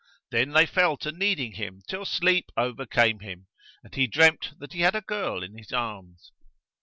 Then they fell to kneading him till sleep overcame him; and he dreamt that he had a girl in his arms.